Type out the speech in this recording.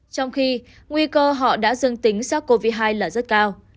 trong khi nguy cơ họ đã dừng tính sắc covid một mươi chín là rất cao